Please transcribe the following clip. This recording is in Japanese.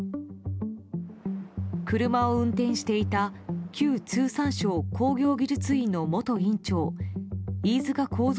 車を運転していた旧通産省工業技術院の元院長飯塚幸三